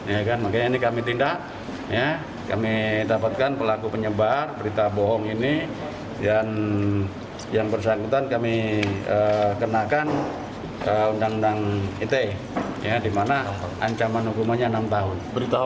ya kan makanya ini kami tindak kami dapatkan pelaku penyebar berita bohong ini dan yang bersangkutan kami kenakan undang undang ite di mana ancaman hukumannya enam tahun